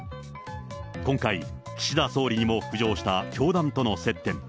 今回、岸田総理にも浮上した教団との接点。